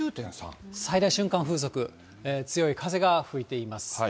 最大瞬間風速、強い風が吹いています。